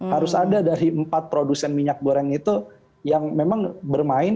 harus ada dari empat produsen minyak goreng itu yang memang bermain